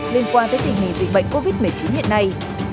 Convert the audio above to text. liên quan tới tình hình dịch bệnh covid một mươi chín hiện nay